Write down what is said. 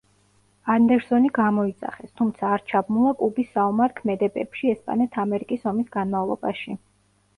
ანდერსონი გამოიძახეს, თუმცა არ ჩაბმულა კუბის საომარ ქმედებებში ესპანეთ-ამერიკის ომის განმავლობაში.